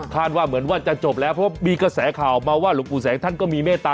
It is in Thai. ว่าเหมือนว่าจะจบแล้วเพราะมีกระแสข่าวมาว่าหลวงปู่แสงท่านก็มีเมตตา